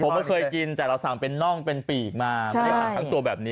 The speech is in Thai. ผมเคยกินแต่เราสั่งเป็นน่องเป็นปีกมาใช่ทั้งตัวแบบนี้